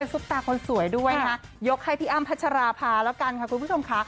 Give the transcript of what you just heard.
ซุปตาคนสวยด้วยนะคะยกให้พี่อ้ำพัชราภาแล้วกันค่ะคุณผู้ชมค่ะ